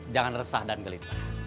jangan resah dan gelisah